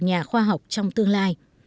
nhà khoa học trong tương lai